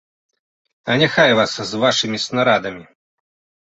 А няхай вас з вашымі снарадамі!